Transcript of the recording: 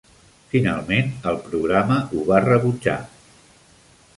Finalment, el programa ho va rebutjar.